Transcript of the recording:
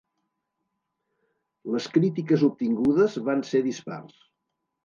Les crítiques obtingudes van ser dispars.